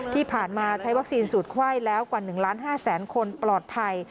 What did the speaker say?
ที่ผ่านมาใช้วัคซีนสูตรไข้แล้วกว่า๑ล้าน๕แสนคนปลอดภัย